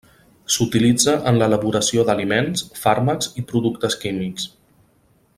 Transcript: S'utilitza en l'elaboració d'aliments, fàrmacs i productes químics.